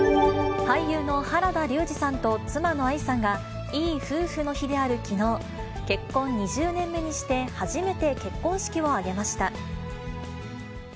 俳優の原田龍二さんと妻の愛さんが、いい夫婦の日であるきのう、結婚２０年目にして初めて結婚式を挙げました。